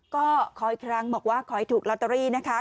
ก็ขออีกครั้งบอกว่าขอให้ถูกลอตเตอรี่นะคะ